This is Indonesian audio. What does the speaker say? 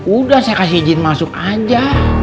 udah saya kasih izin masuk aja